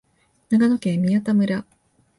長野県宮田村